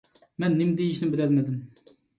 مەن نېمە دېيىشنى بىلەلمىدىم.